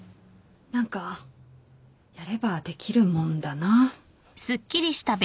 何かやればできるもんだな。